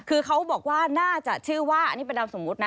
คือเขาบอกว่าน่าจะชื่อว่าอันนี้เป็นนามสมมุตินะ